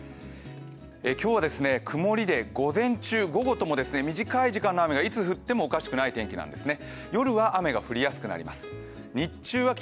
今日は曇りで午前中、午後とも短い時間の雨がいつ降ってもおかしくない天気なんですね。